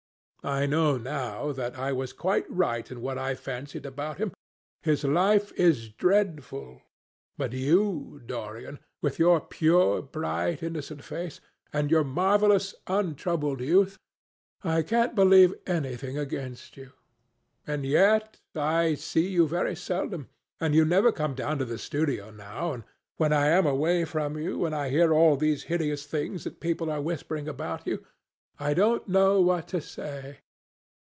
I know now that I was quite right in what I fancied about him. His life is dreadful. But you, Dorian, with your pure, bright, innocent face, and your marvellous untroubled youth—I can't believe anything against you. And yet I see you very seldom, and you never come down to the studio now, and when I am away from you, and I hear all these hideous things that people are whispering about you, I don't know what to say.